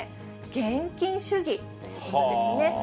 現金主義ということですね。